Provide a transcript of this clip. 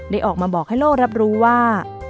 ออกมาบอกให้โลกรับรู้ว่า